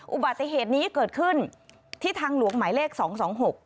อุบัติเหตุนี้เกิดขึ้นที่ทางหลวงหมายเลขสองสองหก